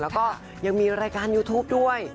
แล้วก็ยังมีรายการยูทูปด้วย